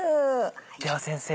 では先生